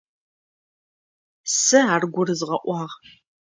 Сэ ар гурызгъэӏуагъ.